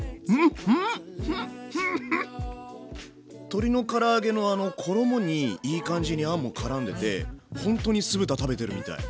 鶏のから揚げのあの衣にいい感じにあんもからんでてほんとに酢豚食べてるみたい。